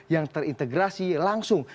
yang terintegrasi langsung